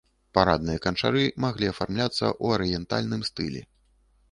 Парадныя канчары маглі афармляцца ў арыентальным стылі.